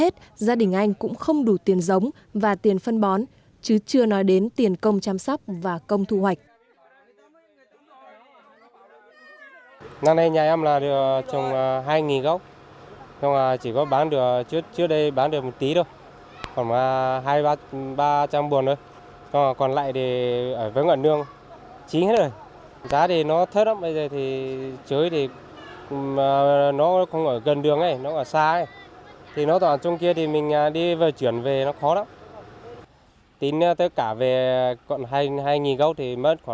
tính tất cả về còn hai gốc thì mất khoảng bốn năm triệu rồi